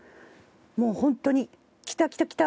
もう本当に「きたきたきた！」